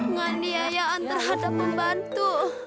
nganiayaan terhadap membantu